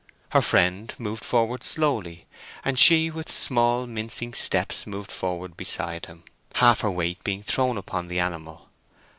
Her friend moved forward slowly, and she with small mincing steps moved forward beside him, half her weight being thrown upon the animal.